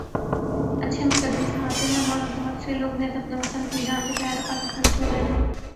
اچھے مستقبل کی خاطر ہم اور بہت سے لوگ محض اپنا وطن اپنی جان سے پیا را پاکستان چھوڑ آئے ہیں